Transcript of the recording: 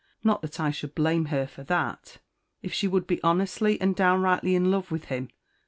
Not that I should blame her for that, if she would be honestly and downrightly in love with him.